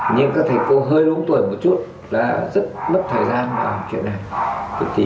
nhưng các thầy cô hơi đúng tuổi một chút là rất mất thời gian vào chuyện này